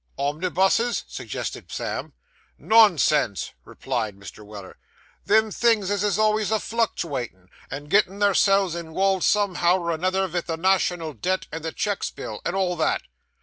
'Omnibuses?' suggested Sam. 'Nonsense,' replied Mr. Weller. 'Them things as is alvays a fluctooatin', and gettin' theirselves inwolved somehow or another vith the national debt, and the chequers bill; and all that.